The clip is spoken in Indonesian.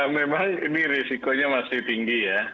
memang ini risikonya masih tinggi ya